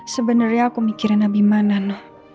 sebenernya aku mikirin nabi manan